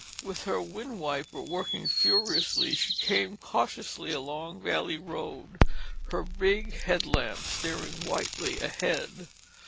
With her windiper working furiously, she came cautiously along Valley Road, her big headlamps staring whitely ahead.